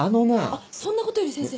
あっそんなことより先生。